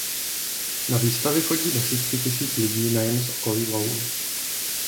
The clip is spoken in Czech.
Na výstavy chodí desítky tisíc lidí nejen z okolí Loun.